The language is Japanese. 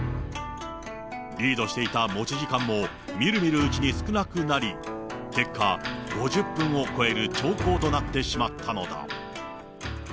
リードしていた持ち時間もみるみるうちに少なくなり、結果、５０分を超える長考となってしまったのだ。